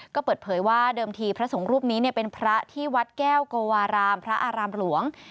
ก็เปิดเผยว่าเดิมทีพระสงฆ์รูปนี้เป็นพระที่วัดแก้วโกวารามพระอารามหลวง